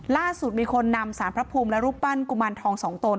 ล่าสุดมีคนนำสารพระภูมิและรูปปั้นกุมารทองสองตน